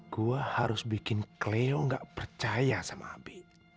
gue harus bikin kleo gak percaya sama abi